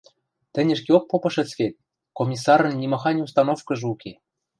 — Тӹнь ӹшкеок попышыц вет: Комиссарын нимахань установкыжы уке.